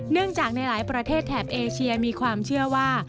จากในหลายประเทศแถบเอเชียมีความเชื่อว่า